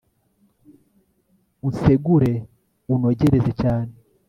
unsegure unogereza cyane